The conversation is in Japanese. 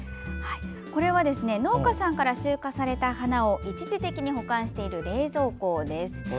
農家さんから集荷された花を一時的に保管している冷蔵庫です。